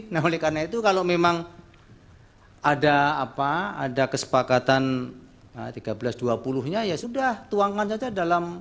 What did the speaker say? nah oleh karena itu kalau memang ada kesepakatan tiga belas dua puluh nya ya sudah tuangkan saja dalam